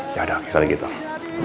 yaudah kita lagi dong